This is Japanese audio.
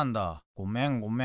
ごめんごめん。